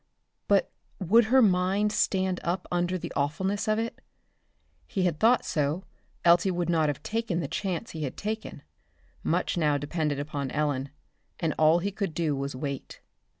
But would her mind stand up under the awfulness of it? He had thought so, else he would not have taken the chance he had taken. Much now depended upon Ellen, and all he could do was wait.